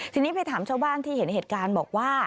ทีนี้ไปถามชาวบ้านที่เห็นเหตุการณ์บอกว่า